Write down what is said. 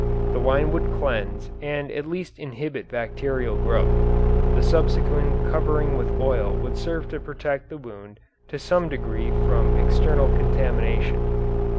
The wine would cleanse and at least inhibit bacterial growth. The subsequent covering with oil would serve to protect the wound to some degree from external contamination.